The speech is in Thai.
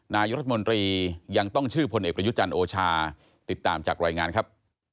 นายรัฐมนตรียังต้องชื่อพลเอกประยุจันทร์โอชาติดตามจากรายงานครับ